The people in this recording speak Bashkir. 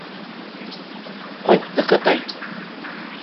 -Ҡайттыҡ, атай!